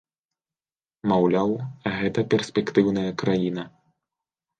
Маўляў, гэта перспектыўная краіна.